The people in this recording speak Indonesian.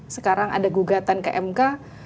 sekarang ada gugatan ke mk